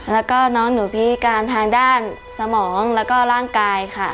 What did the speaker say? แล้วก็น้องหนูพิการทางด้านสมองแล้วก็ร่างกายค่ะ